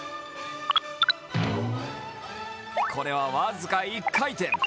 これは僅か１回転。